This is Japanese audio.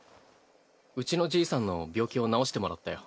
うちのじいさんの病気を治してもらったよ。